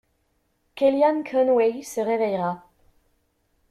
Kellyanne Conway se réveillera.